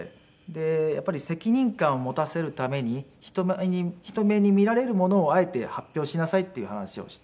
やっぱり責任感を持たせるために人前に人目に見られるものをあえて発表しなさいっていう話をして。